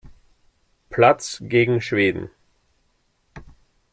Platz gegen Schweden.